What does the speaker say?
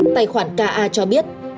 tài khoản ka cho biết